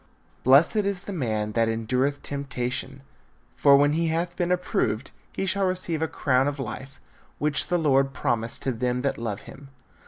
Blessed is the man that endureth temptation; for when he hath been approved, he shall receive a crown of life, which the Lord promised to them that love him.